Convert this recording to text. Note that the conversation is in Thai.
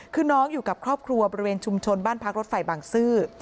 คือน้องอยู่กับครอบครัวบริเวณชุมชนบ้านพักรถไฟบางซื่อ